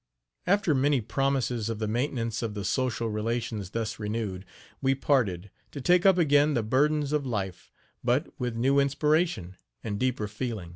After many promises of the maintenance of the social relations thus renewed, we parted, to take up again the burdens of life, but with new inspiration and deeper feeling.